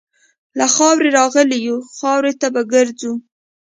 له خاورې راغلي یو، خاورې ته به ګرځو.